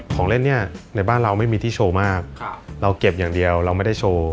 ของเล่นเนี่ยในบ้านเราไม่มีที่โชว์มากเราเก็บอย่างเดียวเราไม่ได้โชว์